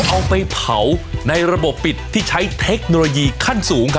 เอาไปเผาในระบบปิดที่ใช้เทคโนโลยีขั้นสูง